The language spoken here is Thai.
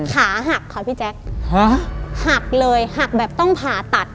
ขาหักค่ะพี่แจ๊คฮะหักเลยหักแบบต้องผ่าตัด